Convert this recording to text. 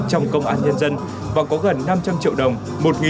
trong công an nhân dân và có gần năm trăm linh triệu đồng